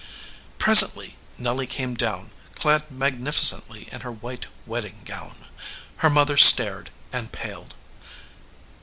Presently Nelly came down, clad magnificently in her white wedding gown. Her mother stared and paled.